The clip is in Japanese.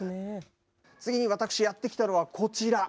次に私やって来たのは、こちら。